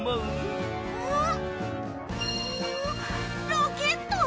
ロケット？